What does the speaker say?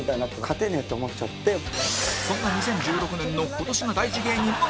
そんな２０１６年の今年が大事芸人も追加